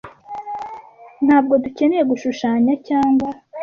Ntabwo dukeneye gushushanya cyangwa